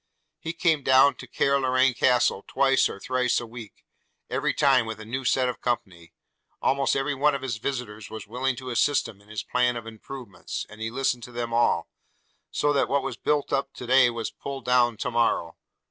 He came down to Carloraine Castle twice or thrice a week, every time with a new set of company; almost every one of his visitors was willing to assist him in his plan of improvements, and he listened to them all – so that what was built up to day was pulled down to morrow.